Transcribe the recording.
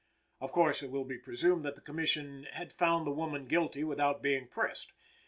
Of course, it will be presumed that the Commission had found the woman guilty without being pressed.